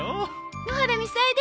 野原みさえです。